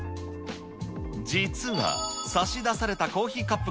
実は、差し出されたコーヒーえ？